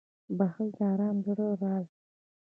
• بښل د ارام زړه راز دی.